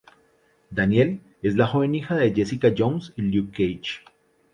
Danielle es la joven hija de Jessica Jones y Luke Cage.